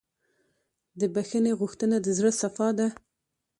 د بښنې غوښتنه د زړه صفا ده.